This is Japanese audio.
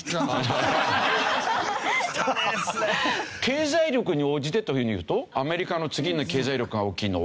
経済力に応じてというふうにいうとアメリカの次に経済力が大きいのは？